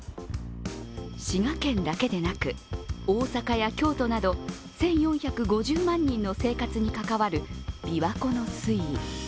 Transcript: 滋賀県だけでなく、大阪や京都など１４５０万人の生活に関わる琵琶湖の水位。